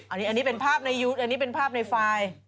อันนี้เป็นภาพในยุทธ์อันนี้เป็นภาพในไฟล์